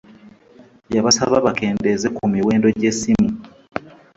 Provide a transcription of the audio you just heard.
Yabasaba bakendeze ku miwendo gye ssimu.